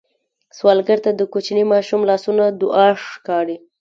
سوالګر ته د کوچني ماشوم لاسونه دعا ښکاري